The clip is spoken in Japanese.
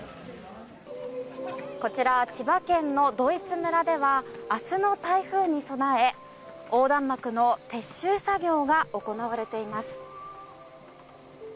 こちら千葉県のドイツ村では明日の台風に備え、横断幕の撤収作業が行われています。